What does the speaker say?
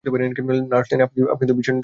Nurse Lane, আপনি তো ভীষন চমকে দিয়েছেন।